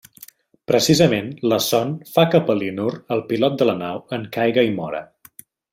Precisament, la son fa que Palinur, el pilot de la nau, en caiga i mora.